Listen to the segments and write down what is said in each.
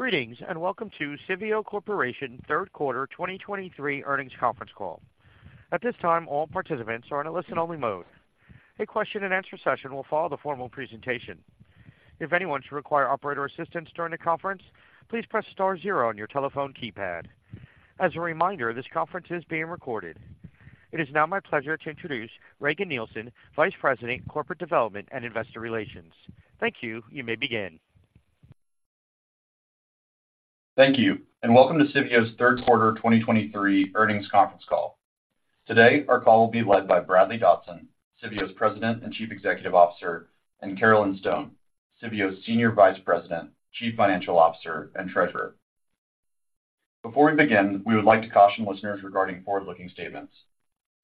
Greetings, and welcome to Civeo Corporation third quarter 2023 earnings conference call. At this time, all participants are in a listen-only mode. A question-and-answer session will follow the formal presentation. If anyone should require operator assistance during the conference, please press star zero on your telephone keypad. As a reminder, this conference is being recorded. It is now my pleasure to introduce Regan Nielsen, Vice President, Corporate Development and Investor Relations. Thank you. You may begin. Thank you, and welcome to Civeo's third quarter 2023 earnings conference call. Today, our call will be led by Bradley Dodson, Civeo's President and Chief Executive Officer, and Carolyn Stone, Civeo's Senior Vice President, Chief Financial Officer, and Treasurer. Before we begin, we would like to caution listeners regarding forward-looking statements.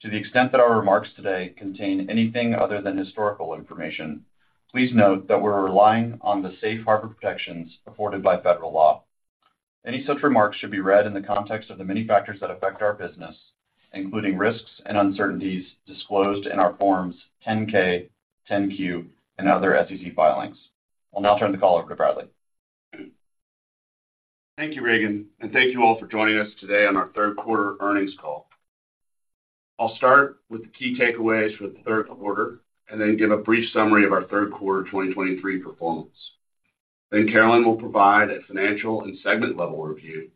To the extent that our remarks today contain anything other than historical information, please note that we're relying on the safe harbor protections afforded by federal law. Any such remarks should be read in the context of the many factors that affect our business, including risks and uncertainties disclosed in our Forms 10-K, 10-Q, and other SEC filings. I'll now turn the call over to Bradley. Thank you, Regan, and thank you all for joining us today on our third quarter earnings call. I'll start with the key takeaways for the third quarter and then give a brief summary of our third quarter 2023 performance. Then Carolyn will provide a financial and segment level review,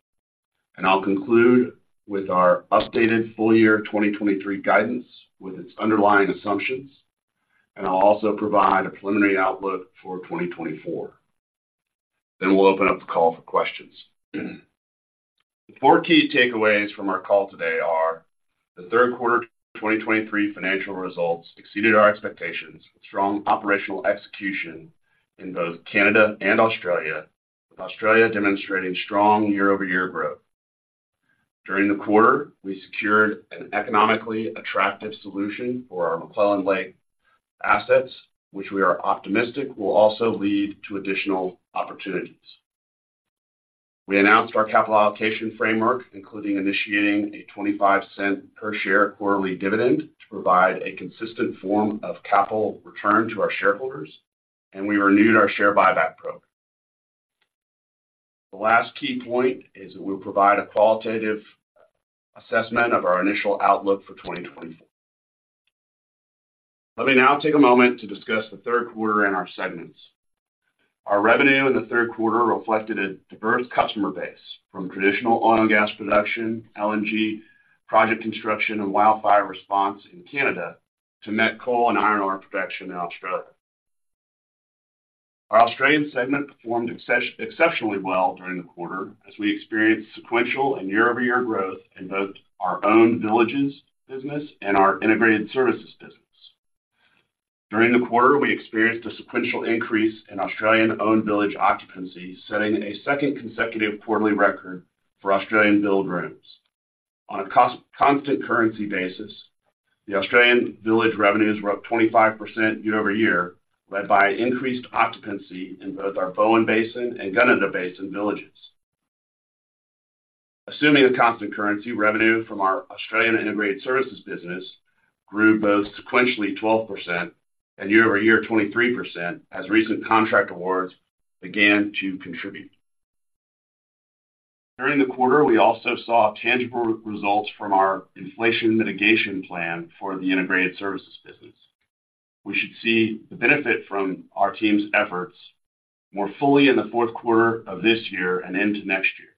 and I'll conclude with our updated full year 2023 guidance with its underlying assumptions, and I'll also provide a preliminary outlook for 2024. Then we'll open up the call for questions. The four key takeaways from our call today are: the third quarter 2023 financial results exceeded our expectations, with strong operational execution in both Canada and Australia, with Australia demonstrating strong year-over-year growth. During the quarter, we secured an economically attractive solution for our McClelland Lake assets, which we are optimistic will also lead to additional opportunities. We announced our capital allocation framework, including initiating a $0.25 per share quarterly dividend, to provide a consistent form of capital return to our shareholders, and we renewed our share buyback program. The last key point is that we'll provide a qualitative assessment of our initial outlook for 2024. Let me now take a moment to discuss the third quarter in our segments. Our revenue in the third quarter reflected a diverse customer base, from traditional oil and gas production, LNG, project construction, and wildfire response in Canada, to met coal and iron ore production in Australia. Our Australian segment performed exceptionally well during the quarter as we experienced sequential and year-over-year growth in both our own villages business and our integrated services business. During the quarter, we experienced a sequential increase in Australian-owned village occupancy, setting a second consecutive quarterly record for Australian billed rooms. On a constant currency basis, the Australian village revenues were up 25% year-over-year, led by increased occupancy in both our Bowen Basin and Gunnedah Basin villages. Assuming the constant currency, revenue from our Australian integrated services business grew both sequentially 12% and year-over-year 23%, as recent contract awards began to contribute. During the quarter, we also saw tangible results from our inflation mitigation plan for the integrated services business. We should see the benefit from our team's efforts more fully in the fourth quarter of this year and into next year.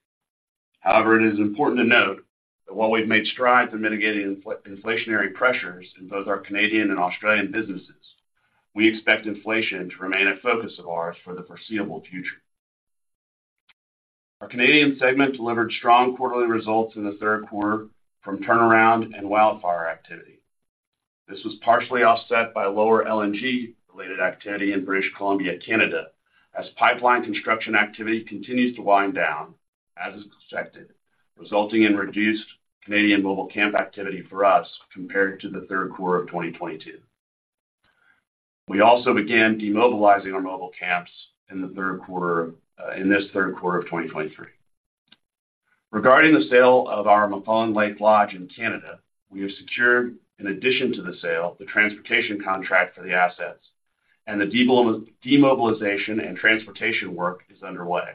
However, it is important to note that while we've made strides in mitigating inflationary pressures in both our Canadian and Australian businesses, we expect inflation to remain a focus of ours for the foreseeable future. Our Canadian segment delivered strong quarterly results in the third quarter from turnaround and wildfire activity. This was partially offset by lower LNG-related activity in British Columbia, Canada, as pipeline construction activity continues to wind down, as is expected, resulting in reduced Canadian mobile camp activity for us compared to the third quarter of 2022. We also began demobilizing our mobile camps in the third quarter in this third quarter of 2023. Regarding the sale of our McClelland Lake Lodge in Canada, we have secured, in addition to the sale, the transportation contract for the assets, and the demobilization and transportation work is underway.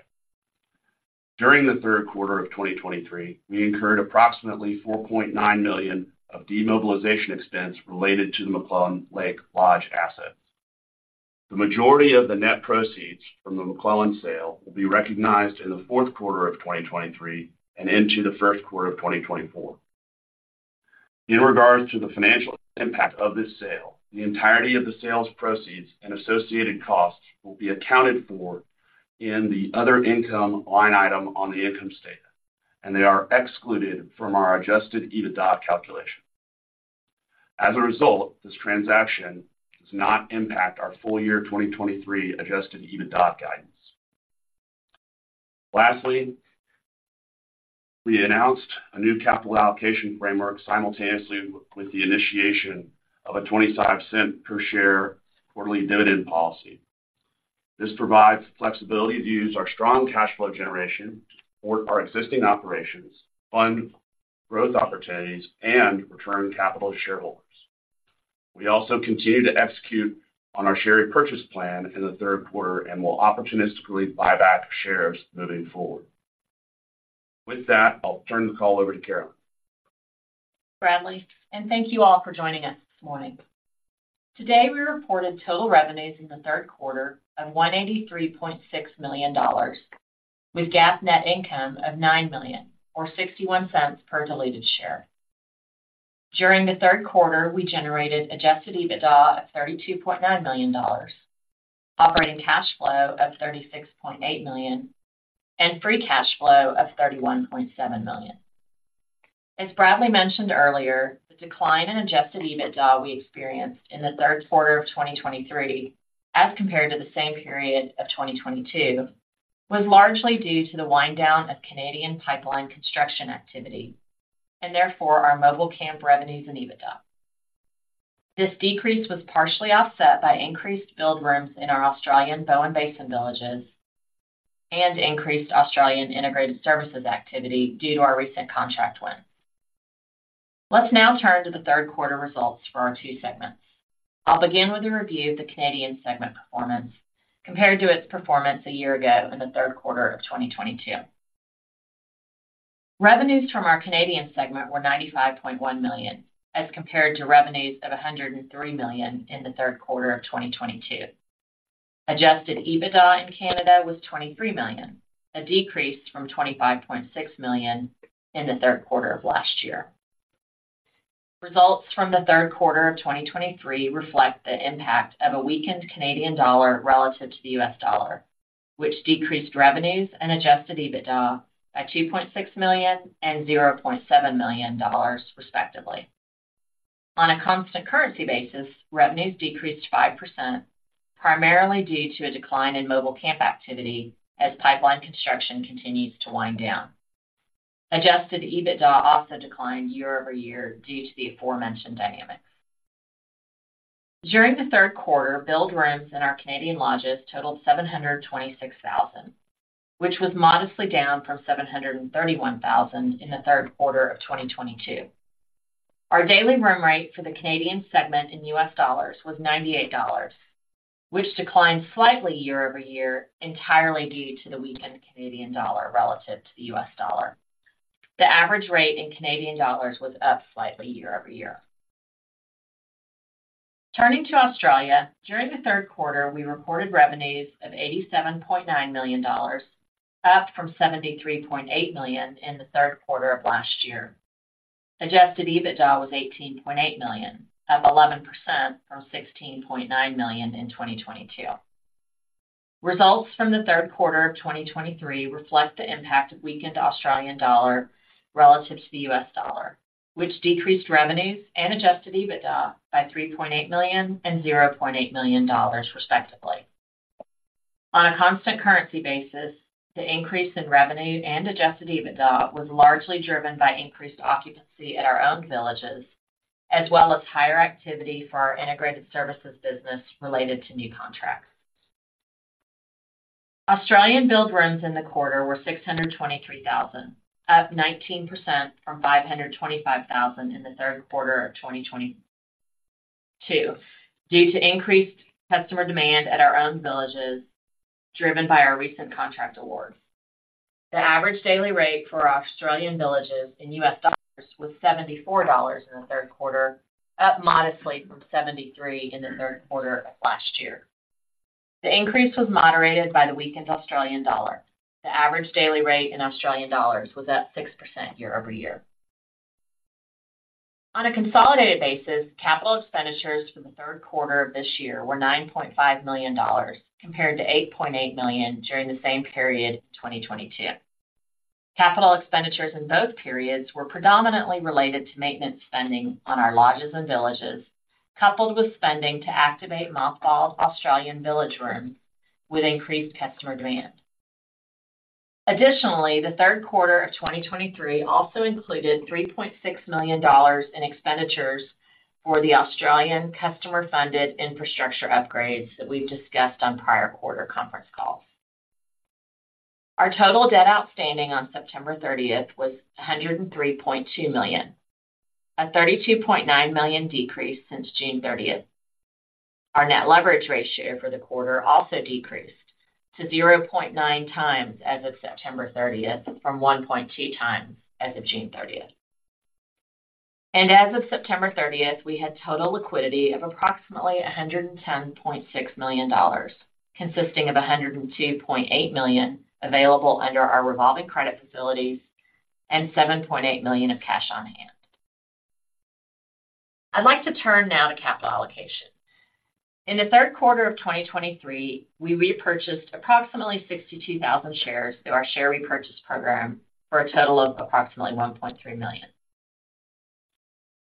During the third quarter of 2023, we incurred approximately $4.9 million of demobilization expense related to the McClelland Lake Lodge assets. The majority of the net proceeds from the McClelland sale will be recognized in the fourth quarter of 2023 and into the first quarter of 2024. In regards to the financial impact of this sale, the entirety of the sales proceeds and associated costs will be accounted for in the other income line item on the income statement, and they are excluded from our Adjusted EBITDA calculation. As a result, this transaction does not impact our full-year 2023 Adjusted EBITDA guidance. Lastly, we announced a new capital allocation framework simultaneously with the initiation of a $0.25 per share quarterly dividend policy. This provides flexibility to use our strong cash flow generation to support our existing operations, fund growth opportunities, and return capital to shareholders... We also continue to execute on our share repurchase plan in the third quarter and will opportunistically buy back shares moving forward. With that, I'll turn the call over to Carolyn. Bradley, and thank you all for joining us this morning. Today, we reported total revenues in the third quarter of $183.6 million, with GAAP net income of $9 million, or $0.61 per diluted share. During the third quarter, we generated adjusted EBITDA of $32.9 million, operating cash flow of $36.8 million, and free cash flow of $31.7 million. As Bradley mentioned earlier, the decline in adjusted EBITDA we experienced in the third quarter of 2023, as compared to the same period of 2022, was largely due to the wind down of Canadian pipeline construction activity, and therefore, our mobile camp revenues and EBITDA. This decrease was partially offset by increased billed rooms in our Australian Bowen Basin villages and increased Australian integrated services activity due to our recent contract win. Let's now turn to the third quarter results for our two segments. I'll begin with a review of the Canadian segment performance compared to its performance a year ago in the third quarter of 2022. Revenues from our Canadian segment were $95.1 million, as compared to revenues of $103 million in the third quarter of 2022. Adjusted EBITDA in Canada was $23 million, a decrease from $25.6 million in the third quarter of last year. Results from the third quarter of 2023 reflect the impact of a weakened Canadian dollar relative to the U.S. dollar, which decreased revenues and Adjusted EBITDA by $2.6 million and $0.7 million, respectively. On a constant currency basis, revenues -5%, primarily due to a decline in mobile camp activity as pipeline construction continues to wind down. Adjusted EBITDA also declined year-over-year due to the aforementioned dynamics. During the third quarter, billed rooms in our Canadian lodges totaled 726,000, which was modestly down from 731,000 in the third quarter of 2022. Our daily room rate for the Canadian segment in U.S. dollars was $98, which declined slightly year-over-year, entirely due to the weakened Canadian dollar relative to the U.S. dollar. The average rate in Canadian dollars was up slightly year-over-year. Turning to Australia, during the third quarter, we reported revenues of $87.9 million, up from $73.8 million in the third quarter of last year. Adjusted EBITDA was $18.8 million, up 11% from $16.9 million in 2022. Results from the third quarter of 2023 reflect the impact of weakened Australian dollar relative to the U.S. dollar, which decreased revenues and Adjusted EBITDA by $3.8 million and $0.8 million, respectively. On a constant currency basis, the increase in revenue and Adjusted EBITDA was largely driven by increased occupancy at our own villages, as well as higher activity for our integrated services business related to new contracts. Australian billed rooms in the quarter were 623,000, up 19% from 525,000 in the third quarter of 2022, due to increased customer demand at our own villages, driven by our recent contract award. The average daily rate for our Australian villages in U.S. dollars was $74 in the third quarter, up modestly from $73 in the third quarter of last year. The increase was moderated by the weakened Australian dollar. The average daily rate in Australian dollars was up 6% year-over-year. On a consolidated basis, capital expenditures for the third quarter of this year were $9.5 million, compared to $8.8 million during the same period, 2022. Capital expenditures in both periods were predominantly related to maintenance spending on our lodges and villages, coupled with spending to activate mothballed Australian village rooms with increased customer demand. Additionally, the third quarter of 2023 also included $3.6 million in expenditures for the Australian customer-funded infrastructure upgrades that we've discussed on prior quarter conference calls. Our total debt outstanding on September 30th was $103.2 million, a $32.9 million decrease since June 30th. Our net leverage ratio for the quarter also decreased to 0.9x as of September 30th, from 1.2x as of June 30th. As of September 30th, we had total liquidity of approximately $110.6 million, consisting of $102.8 million available under our revolving credit facilities and $7.8 million of cash on hand. I'd like to turn now to capital allocation. In the third quarter of 2023, we repurchased approximately 62,000 shares through our share repurchase program for a total of approximately $1.3 million.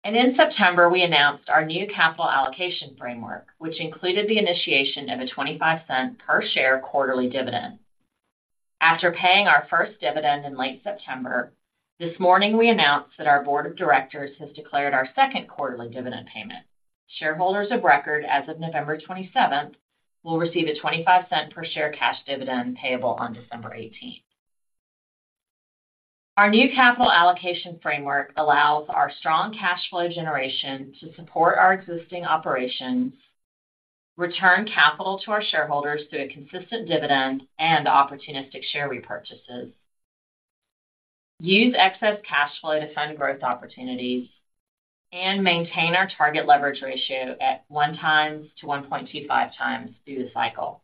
In September, we announced our new capital allocation framework, which included the initiation of a $0.25 per share quarterly dividend. After paying our first dividend in late September, this morning, we announced that our board of directors has declared our second quarterly dividend payment. Shareholders of record as of November 27th will receive a $0.25 per share cash dividend payable on December 18th. Our new capital allocation framework allows our strong cash flow generation to support our existing operations, return capital to our shareholders through a consistent dividend and opportunistic share repurchases, use excess cash flow to fund growth opportunities, and maintain our target leverage ratio at 1x-1.25x through the cycle.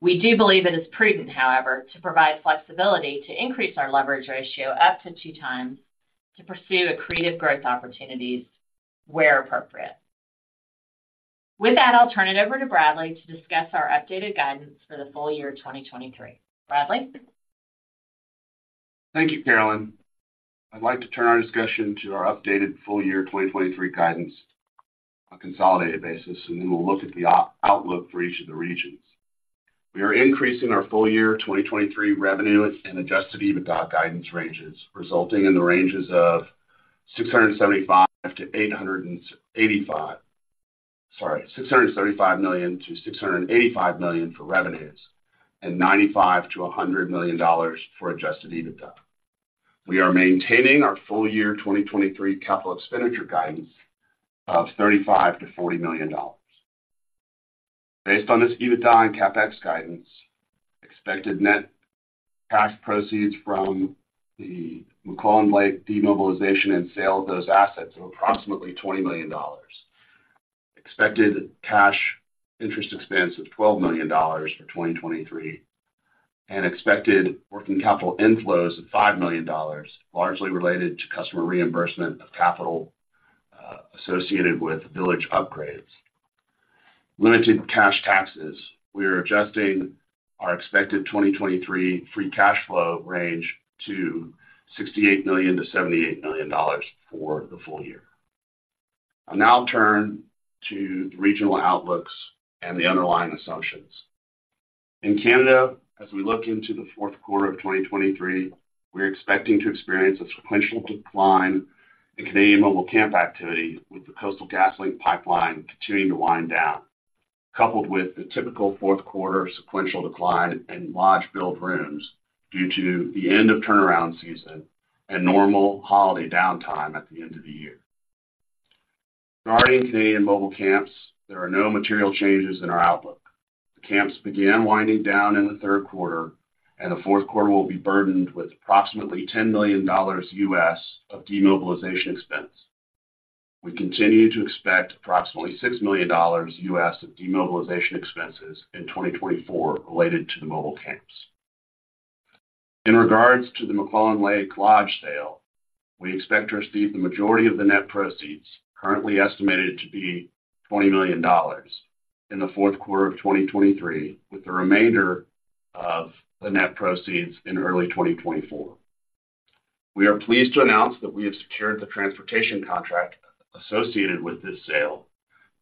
We do believe it is prudent, however, to provide flexibility to increase our leverage ratio up to 2x to pursue accretive growth opportunities where appropriate. With that, I'll turn it over to Bradley to discuss our updated guidance for the full year 2023. Bradley? Thank you, Carolyn. I'd like to turn our discussion to our updated full year 2023 guidance on a consolidated basis, and then we'll look at the outlook for each of the regions. We are increasing our full year 2023 revenue and adjusted EBITDA guidance ranges, resulting in the ranges of 675-885. Sorry, $675 million-$685 million for revenues, and $95 million-$100 million for adjusted EBITDA. We are maintaining our full year 2023 capital expenditure guidance of $35 million-$40 million. Based on this EBITDA and CapEx guidance, expected net cash proceeds from the McClelland Lake demobilization and sale of those assets are approximately $20 million. Expected cash interest expense of $12 million for 2023, and expected working capital inflows of $5 million, largely related to customer reimbursement of capital, associated with village upgrades. Limited cash taxes. We are adjusting our expected 2023 free cash flow range to $68 million-$78 million for the full year. I'll now turn to the regional outlooks and the underlying assumptions. In Canada, as we look into the fourth quarter of 2023, we're expecting to experience a sequential decline in Canadian mobile camp activity, with the Coastal GasLink pipeline continuing to wind down, coupled with the typical fourth quarter sequential decline in lodge billed rooms due to the end of turnaround season and normal holiday downtime at the end of the year. Regarding Canadian mobile camps, there are no material changes in our outlook. The camps began winding down in the third quarter, and the fourth quarter will be burdened with approximately $10 million of demobilization expense. We continue to expect approximately $6 million of demobilization expenses in 2024 related to the mobile camps. In regards to the McClelland Lake Lodge sale, we expect to receive the majority of the net proceeds, currently estimated to be $20 million, in the fourth quarter of 2023, with the remainder of the net proceeds in early 2024. We are pleased to announce that we have secured the transportation contract associated with this sale,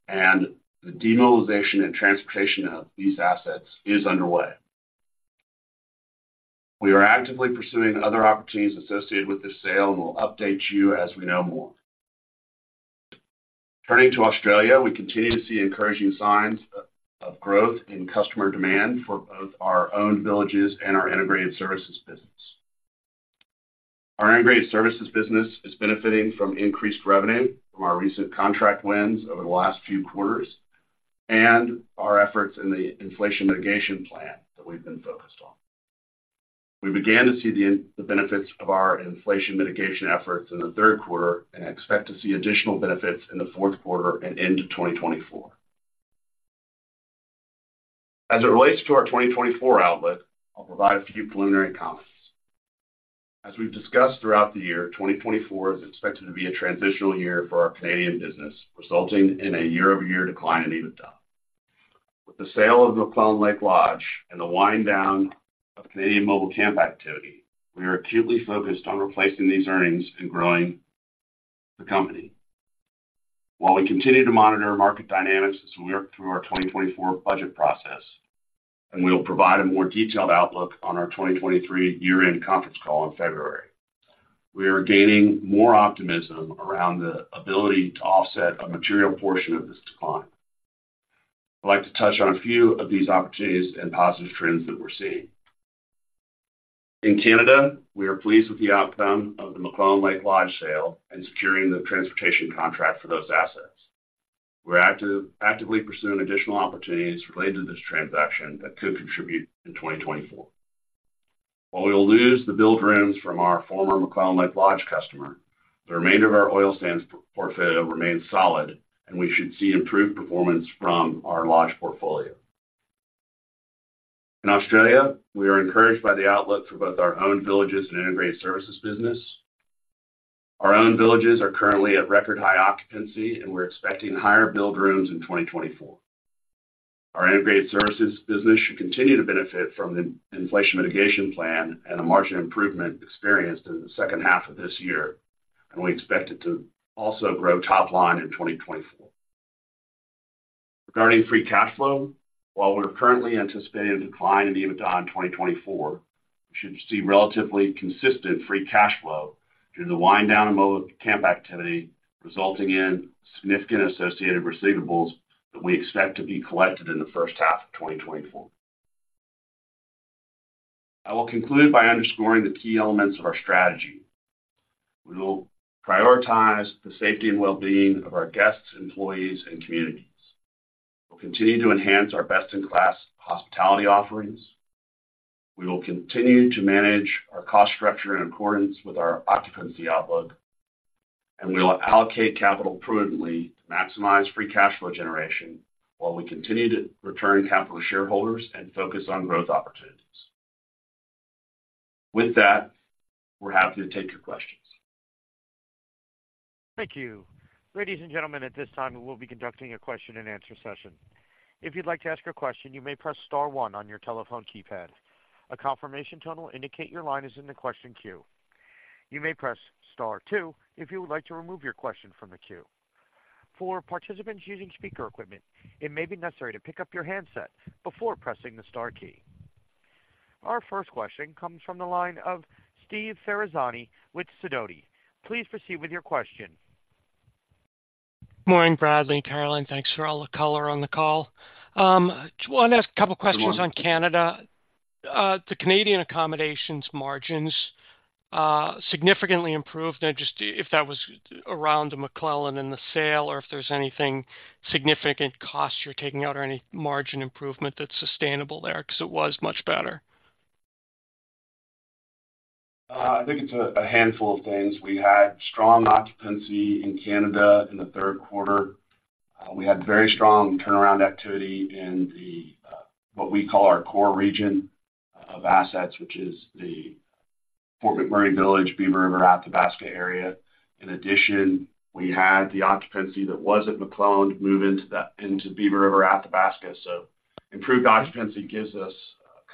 and the demobilization and transportation of these assets is underway. We are actively pursuing other opportunities associated with this sale, and we'll update you as we know more. Turning to Australia, we continue to see encouraging signs of growth in customer demand for both our own villages and our integrated services business. Our integrated services business is benefiting from increased revenue from our recent contract wins over the last few quarters, and our efforts in the inflation mitigation plan that we've been focused on. We began to see the benefits of our inflation mitigation efforts in the third quarter and expect to see additional benefits in the fourth quarter and into 2024. As it relates to our 2024 outlook, I'll provide a few preliminary comments. As we've discussed throughout the year, 2024 is expected to be a transitional year for our Canadian business, resulting in a year-over-year decline in EBITDA. With the sale of McClelland Lake Lodge and the wind down of Canadian mobile camp activity, we are acutely focused on replacing these earnings and growing the company. While we continue to monitor market dynamics as we work through our 2024 budget process, and we'll provide a more detailed outlook on our 2023 year-end conference call in February, we are gaining more optimism around the ability to offset a material portion of this decline. I'd like to touch on a few of these opportunities and positive trends that we're seeing. In Canada, we are pleased with the outcome of the McClelland Lake Lodge sale and securing the transportation contract for those assets. We're actively pursuing additional opportunities related to this transaction that could contribute in 2024. While we will lose the billed rooms from our former McClelland Lake Lodge customer, the remainder of our oil sands portfolio remains solid, and we should see improved performance from our lodge portfolio. In Australia, we are encouraged by the outlook for both our own villages and integrated services business. Our own villages are currently at record high occupancy, and we're expecting higher billed rooms in 2024. Our integrated services business should continue to benefit from the inflation mitigation plan and a margin improvement experienced in the second half of this year, and we expect it to also grow top line in 2024. Regarding free cash flow, while we're currently anticipating a decline in EBITDA in 2024, we should see relatively consistent free cash flow due to the wind down in mobile camp activity, resulting in significant associated receivables that we expect to be collected in the first half of 2024. I will conclude by underscoring the key elements of our strategy. We will prioritize the safety and well-being of our guests, employees, and communities. We'll continue to enhance our best-in-class hospitality offerings. We will continue to manage our cost structure in accordance with our occupancy outlook, and we will allocate capital prudently to maximize free cash flow generation while we continue to return capital to shareholders and focus on growth opportunities. With that, we're happy to take your questions. Thank you. Ladies and gentlemen, at this time, we will be conducting a question-and-answer session. If you'd like to ask a question, you may press star one on your telephone keypad. A confirmation tone will indicate your line is in the question queue. You may press star two if you would like to remove your question from the queue. For participants using speaker equipment, it may be necessary to pick up your handset before pressing the star key. Our first question comes from the line of Steve Ferazani with Sidoti. Please proceed with your question. Morning, Bradley, Carolyn. Thanks for all the color on the call. I want to ask a couple of questions on Canada. The Canadian accommodations margins significantly improved, and just if that was around the McClelland and the sale, or if there's anything significant costs you're taking out or any margin improvement that's sustainable there, because it was much better? I think it's a handful of things. We had strong occupancy in Canada in the third quarter. We had very strong turnaround activity in what we call our core region of assets, which is the Fort McMurray Village, Beaver River, Athabasca area. In addition, we had the occupancy that was at McClelland move into that, into Beaver River, Athabasca. So improved occupancy gives us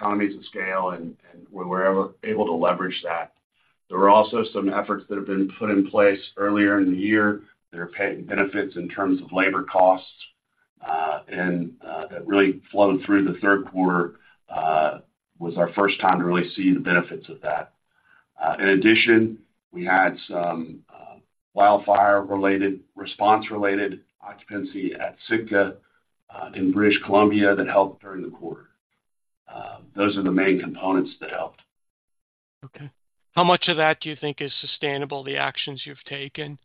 economies of scale, and we were able to leverage that. There were also some efforts that have been put in place earlier in the year that are paying benefits in terms of labor costs, and that really flowed through the third quarter, was our first time to really see the benefits of that. In addition, we had some wildfire-related, response-related occupancy at Sitka, in British Columbia, that helped during the quarter. Those are the main components that helped. Okay. How much of that do you think is sustainable, the actions you've taken?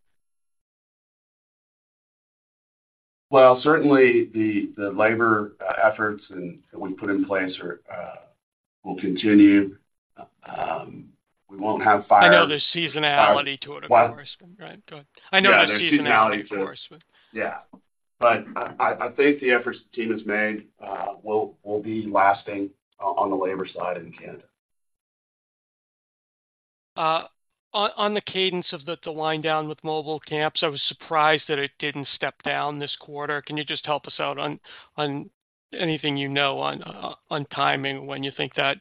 Well, certainly the labor efforts and that we put in place will continue. We won't have fire- I know there's seasonality to it, of course, right? Go ahead. Yeah. I know there's seasonality, of course. Yeah. But I think the efforts the team has made will be lasting on the labor side in Canada. On the cadence of the wind down with mobile camps, I was surprised that it didn't step down this quarter. Can you just help us out on anything you know on timing, when you think that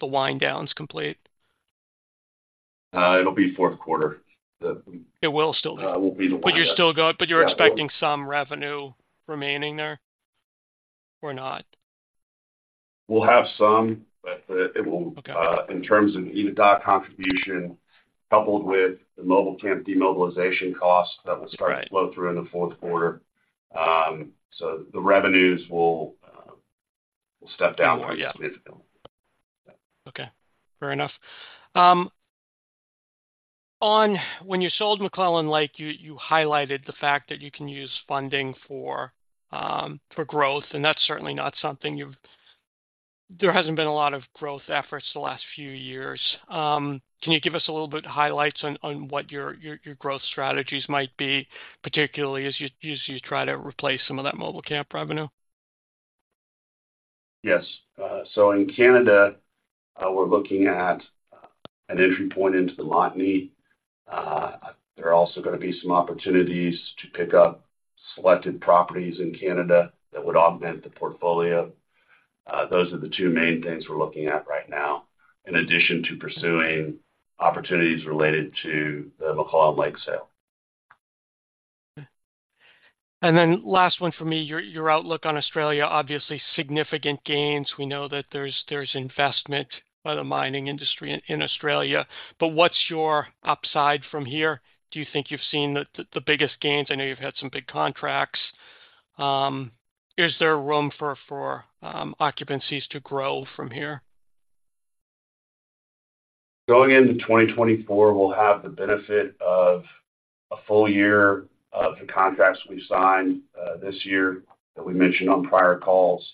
the wind down is complete? It'll be fourth quarter. It will still be? Will be the wind down. But you're still expecting some revenue remaining there or not? We'll have some, but it will- Okay. In terms of EBITDA contribution, coupled with the mobile camp demobilization costs that will start- Right -to flow through in the fourth quarter. So the revenues will step down. Yeah. Okay, fair enough. On when you sold McClelland Lake, you highlighted the fact that you can use funding for, for growth, and that's certainly not something you've... There hasn't been a lot of growth efforts the last few years. Can you give us a little bit highlights on, on what your growth strategies might be, particularly as you try to replace some of that mobile camp revenue? Yes. So in Canada, we're looking at an entry point into the LNG. There are also gonna be some opportunities to pick up selected properties in Canada that would augment the portfolio. Those are the two main things we're looking at right now, in addition to pursuing opportunities related to the McClelland Lake sale. And then last one for me, your outlook on Australia, obviously significant gains. We know that there's investment by the mining industry in Australia, but what's your upside from here? Do you think you've seen the biggest gains? I know you've had some big contracts. Is there room for occupancies to grow from here? Going into 2024, we'll have the benefit of a full year of the contracts we signed this year that we mentioned on prior calls.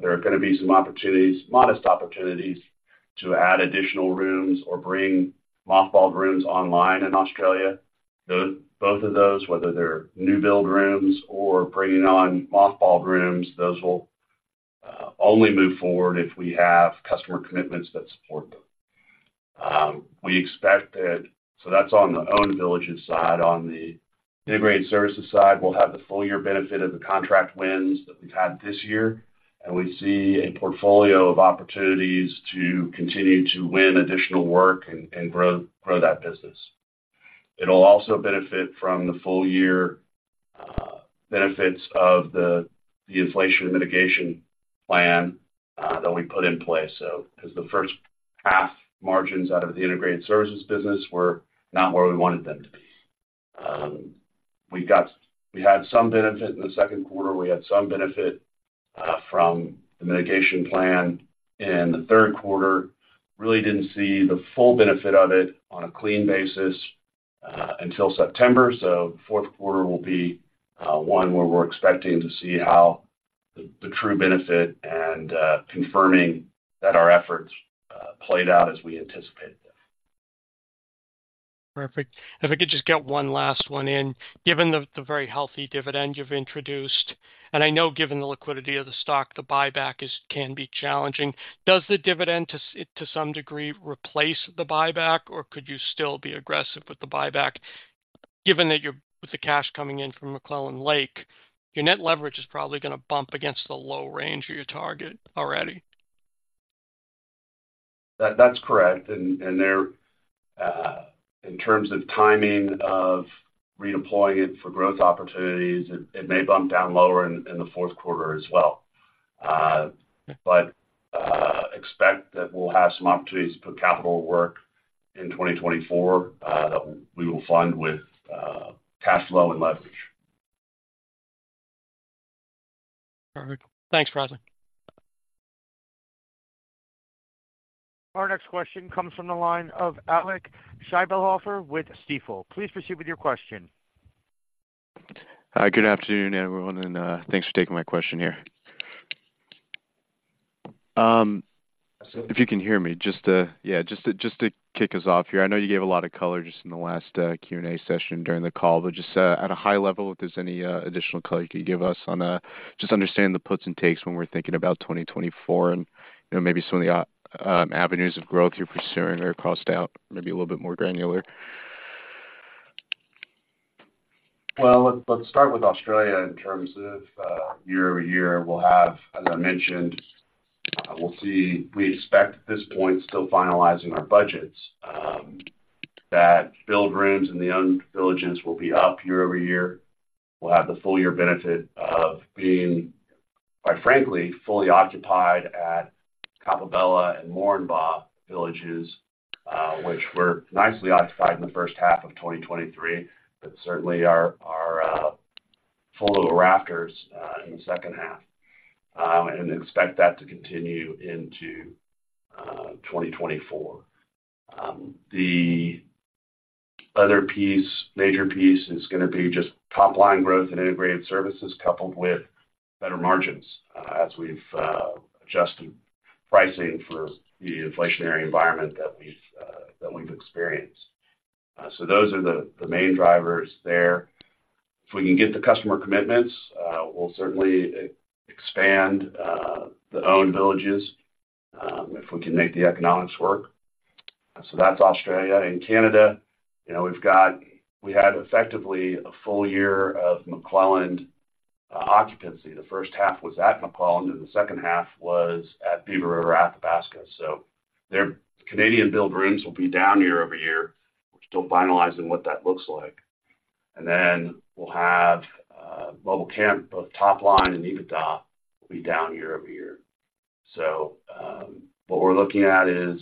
There are gonna be some opportunities, modest opportunities, to add additional rooms or bring mothballed rooms online in Australia. Both, both of those, whether they're new build rooms or bringing on mothballed rooms, those will only move forward if we have customer commitments that support them. We expect that. So that's on the owned villages side. On the integrated services side, we'll have the full year benefit of the contract wins that we've had this year, and we see a portfolio of opportunities to continue to win additional work and grow that business. It'll also benefit from the full year benefits of the inflation mitigation plan that we put in place, so. Because the first half margins out of the integrated services business were not where we wanted them to be. We had some benefit in the second quarter. We had some benefit from the mitigation plan in the third quarter. Really didn't see the full benefit of it on a clean basis until September. So fourth quarter will be one where we're expecting to see the true benefit and confirming that our efforts played out as we anticipated them. Perfect. If I could just get one last one in. Given the very healthy dividend you've introduced, and I know given the liquidity of the stock, the buyback can be challenging, does the dividend to some degree replace the buyback, or could you still be aggressive with the buyback? Given that, with the cash coming in from McClelland Lake, your net leverage is probably gonna bump against the low range of your target already. That, that's correct. And there in terms of timing of redeploying it for growth opportunities, it may bump down lower in the fourth quarter as well. But expect that we'll have some opportunities to put capital to work in 2024, that we will fund with cash flow and leverage. Perfect. Thanks, Bradley. Our next question comes from the line of Alec Scheibelhofer with Stifel. Please proceed with your question. Hi, good afternoon, everyone, and thanks for taking my question here. So if you can hear me, just to kick us off here, I know you gave a lot of color just in the last Q&A session during the call, but just at a high level, if there's any additional color you could give us on just understanding the puts and takes when we're thinking about 2024 and, you know, maybe some of the avenues of growth you're pursuing or crossed out, maybe a little bit more granular. Well, let's start with Australia in terms of year-over-year, we'll have, as I mentioned, we'll see. We expect at this point, still finalizing our budgets, that billed rooms and the owned villages will be up year-over-year. We'll have the full year benefit of being, quite frankly, fully occupied at Coppabella and Moranbah villages, which were nicely occupied in the first half of 2023, but certainly are full to the rafters in the second half. And expect that to continue into 2024. The other major piece is gonna be just top-line growth in integrated services, coupled with better margins, as we've adjusted pricing for the inflationary environment that we've experienced. So those are the main drivers there. If we can get the customer commitments, we'll certainly expand the owned villages, if we can make the economics work. So that's Australia. In Canada, you know, we had effectively a full year of McClelland occupancy. The first half was at McClelland, and the second half was at Beaver River, Athabasca. So our Canadian billed rooms will be down year over year. We're still finalizing what that looks like. And then we'll have mobile camp, both top line and EBITDA, will be down year over year. So what we're looking at is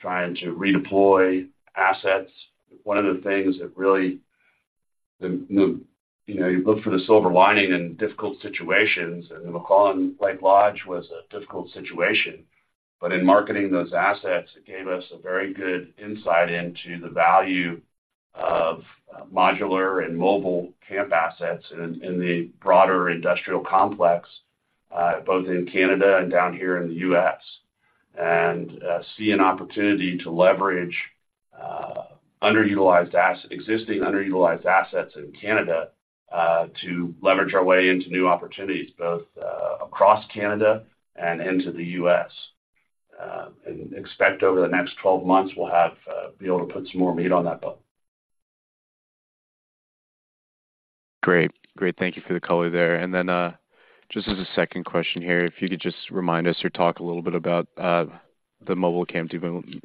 trying to redeploy assets. One of the things that really, you know, you look for the silver lining in difficult situations, and McClelland Lake Lodge was a difficult situation, but in marketing those assets, it gave us a very good insight into the value of modular and mobile camp assets in the broader industrial complex both in Canada and down here in the U.S. And see an opportunity to leverage underutilized asset--existing underutilized assets in Canada to leverage our way into new opportunities both across Canada and into the U.S. And expect over the next 12 months, we'll have be able to put some more meat on that bone. Great. Great, thank you for the color there. And then, just as a second question here, if you could just remind us or talk a little bit about the mobile camp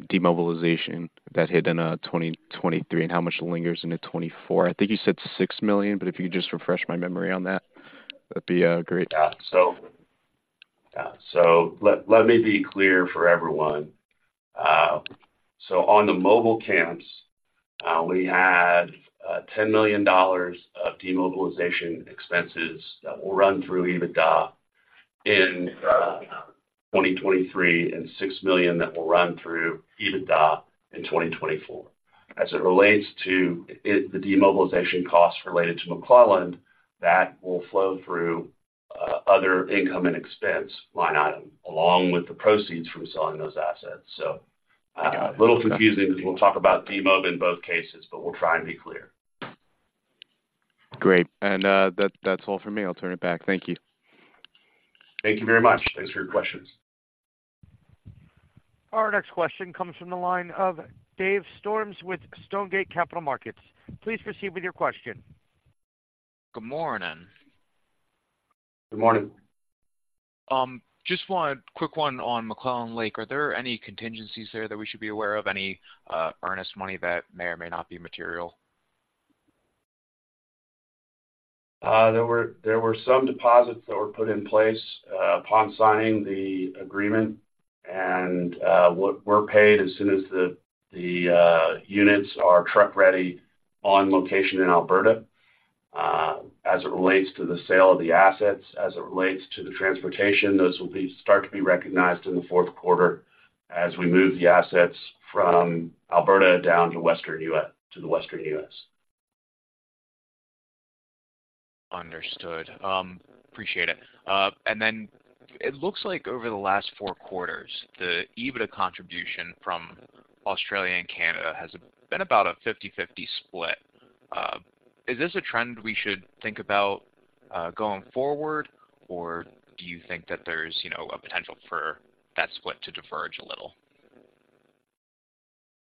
demobilization that hit in 2023 and how much lingers into 2024. I think you said $6 million, but if you could just refresh my memory on that, that'd be great. Yeah. So, yeah, so let me be clear for everyone. So on the mobile camps, we had $10 million of demobilization expenses that will run through EBITDA in 2023, and $6 million that will run through EBITDA in 2024. As it relates to it, the demobilization costs related to McClelland, that will flow through other income and expense line item, along with the proceeds from selling those assets. Got it. So, a little confusing, because we'll talk about demob in both cases, but we'll try and be clear. Great. And, that, that's all for me. I'll turn it back. Thank you. Thank you very much. Thanks for your questions. Our next question comes from the line of Dave Storms with Stonegate Capital Markets. Please proceed with your question. Good morning. Good morning. Just one quick one on McClelland Lake. Are there any contingencies there that we should be aware of? Any earnest money that may or may not be material? There were, there were some deposits that were put in place upon signing the agreement, and what were paid as soon as the units are truck ready on location in Alberta. As it relates to the sale of the assets, as it relates to the transportation, those will start to be recognized in the fourth quarter as we move the assets from Alberta down to the western U.S., to the western U.S. Understood. Appreciate it. And then it looks like over the last four quarters, the EBITDA contribution from Australia and Canada has been about a 50/50 split. Is this a trend we should think about, going forward, or do you think that there's, you know, a potential for that split to diverge a little?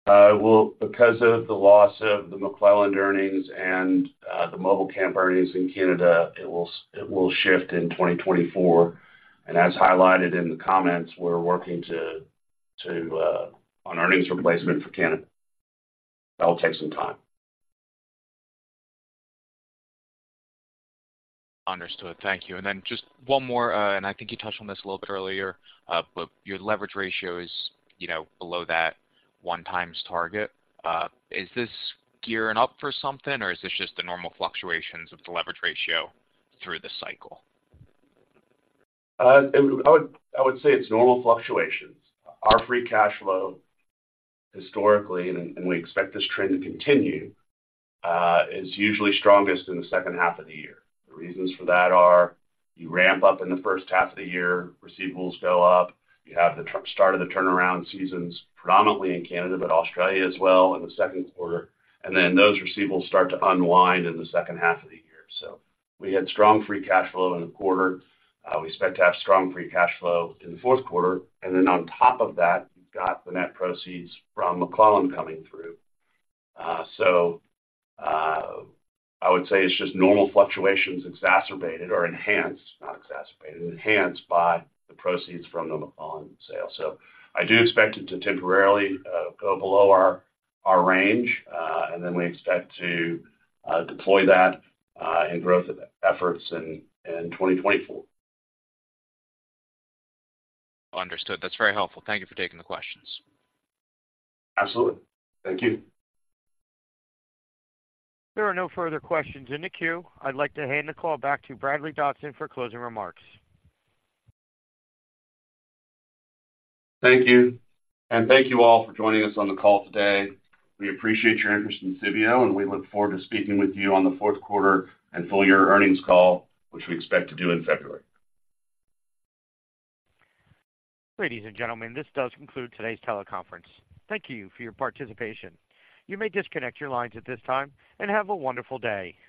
Well, because of the loss of the McClelland earnings and the mobile camp earnings in Canada, it will shift in 2024. As highlighted in the comments, we're working on earnings replacement for Canada. That will take some time. Understood. Thank you. And then just one more, and I think you touched on this a little bit earlier, but your leverage ratio is, you know, below that 1x target. Is this gearing up for something, or is this just the normal fluctuations of the leverage ratio through the cycle? I would, I would say it's normal fluctuations. Our free cash flow, historically, and we expect this trend to continue, is usually strongest in the second half of the year. The reasons for that are you ramp up in the first half of the year, receivables go up, you have the start of the turnaround seasons, predominantly in Canada, but Australia as well, in the second quarter, and then those receivables start to unwind in the second half of the year. So we had strong free cash flow in the quarter. We expect to have strong free cash flow in the fourth quarter, and then on top of that, you've got the net proceeds from McClelland coming through. So, I would say it's just normal fluctuations, exacerbated or enhanced, not exacerbated, enhanced by the proceeds from the McClelland sale. So I do expect it to temporarily go below our range, and then we expect to deploy that in growth efforts in 2024. Understood. That's very helpful. Thank you for taking the questions. Absolutely. Thank you. There are no further questions in the queue. I'd like to hand the call back to Bradley Dodson for closing remarks. Thank you. Thank you all for joining us on the call today. We appreciate your interest in Civeo, and we look forward to speaking with you on the fourth quarter and full year earnings call, which we expect to do in February. Ladies and gentlemen, this does conclude today's teleconference. Thank you for your participation. You may disconnect your lines at this time, and have a wonderful day.